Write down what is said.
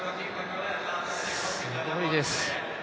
すごいです。